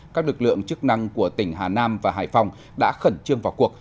các lực lượng chức năng của tỉnh hà nam và hải phòng đã khẩn trương vào cuộc